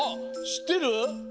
しってる？